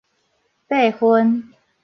八分